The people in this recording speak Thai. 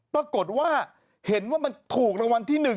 ปรากฏว่าเห็นว่ามันถูกรางวัลที่๑